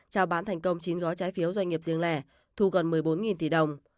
trao bán thành công chín gói trái phiếu doanh nghiệp riêng lẻ thu gần một mươi bốn tỷ đồng